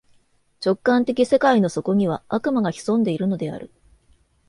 直観的世界の底には、悪魔が潜んでいるのである。